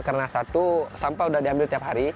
karena satu sampah sudah diambil tiap hari